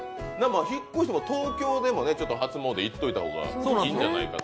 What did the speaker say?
東京でも初詣に行っておいた方がいいんじゃないかと。